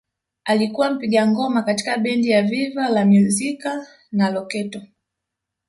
Alikuwa mpiga ngoma katika bendi za Viva la Musica na Loketo